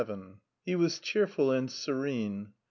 VII He was cheerful and serene.